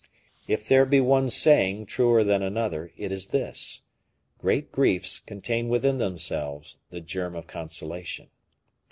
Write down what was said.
If there be one saying truer than another, it is this: great griefs contain within themselves the germ of consolation.